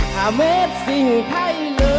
ทำเอ็ดซิ้งให้เลย